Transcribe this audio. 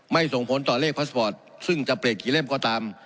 ส่งผลต่อเลขพาสปอร์ตซึ่งจะเปลี่ยนกี่เล่มก็ตาม